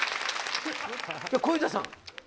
小遊三さん。